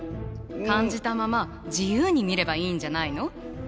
感じたまま自由に見ればいいんじゃないの？